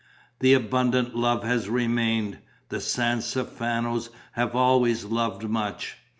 "The abundant love has remained: the San Stefanos have always loved much."